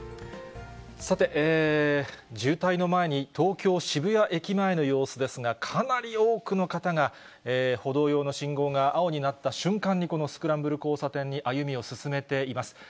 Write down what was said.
さて、渋滞の前に、東京・渋谷駅前の様子ですが、かなり多くの方が歩道用の信号が青になった瞬間に、このスクランブル交差点に歩みを進めています。